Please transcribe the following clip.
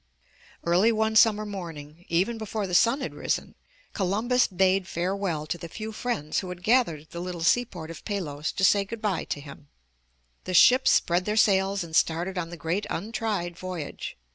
Early one summer morning, even before the sun had risen, Columbus bade farewell to the few friends who had gathered at the little seaport of Palos to say good bye to him. The ships spread their sails and started on the great untried voyage.